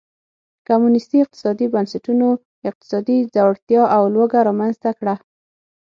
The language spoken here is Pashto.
کمونېستي اقتصادي بنسټونو اقتصادي ځوړتیا او لوږه رامنځته کړه.